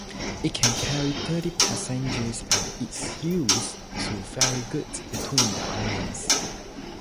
It can carry thirty passengers and is used to ferry goods between the islands.